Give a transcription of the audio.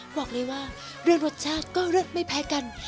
บอกเลยว่าเรื่องรสชาติก็เลิศไม่แพ้กัน